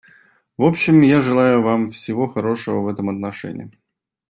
В общем я желаю вам всего хорошего в этом отношении.